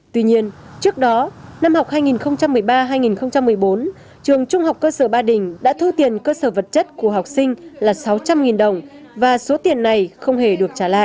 tuy nhiên trước đó năm học hai nghìn một mươi ba hai nghìn một mươi bốn trường trung học cơ sở ba đình đã thu tiền cơ sở vật chất của học sinh là sáu trăm linh đồng và số tiền này không hề được trả lại